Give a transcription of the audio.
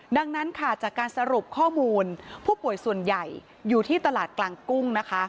ดังนั้นค่ะจากการสรุปข้อมูลผู้ป่วยส่วนใหญ่อยู่ที่ตลาดกลางกุ้งนะคะ